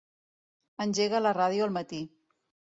Engega la ràdio al matí.